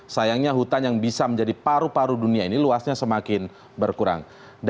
sayangnya hutan yang bisa menjadi paru paru dunia ini luasnya semakin berkurang